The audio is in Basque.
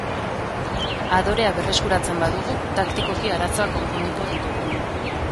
Adorea berreskuratzen badugu, taktikoki arazoak konponduko ditugu.